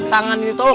tangan ini tau